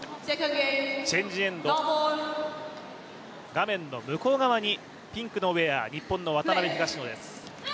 チェンジエンド、画面の向こう側にピンクのウェア、日本の渡辺・東野です。